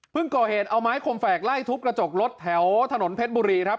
ก่อเหตุเอาไม้คมแฝกไล่ทุบกระจกรถแถวถนนเพชรบุรีครับ